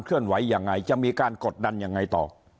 เลื่อนไหวยังไงจะมีการกดดันยังไงต่อ